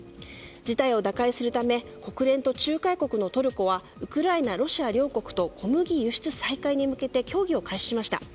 事態を打開するため国連と仲介国のトルコはウクライナ、ロシア両国と小麦輸出再開に向けて協議を開始しました。